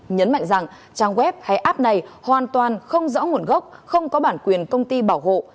nhấn mạnh rằng trang web hay app này hoàn toàn không rõ nguồn gốc không có bản quyền công ty bảo hộ